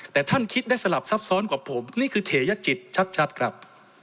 แต่ท่านคิดได้สลับซับซ้อนกว่าผมนี่คือเถยจิตชัดครับ